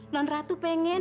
non ratu pengen